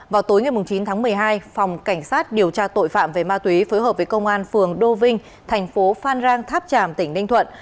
vào tối ngày chín tháng một mươi hai phòng cảnh sát điều tra tội phạm về ma túy phối hợp với công an phường đô vinh thành phố phan rang tháp tràm tỉnh ninh thuận